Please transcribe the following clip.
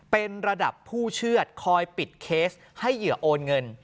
เป็นระดับผู้เชื่อดคอยปิดเคสให้เหยื่อโอนเงิน